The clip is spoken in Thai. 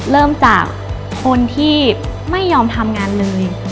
เริ่มจากคนที่ไม่ยอมทำงานเลย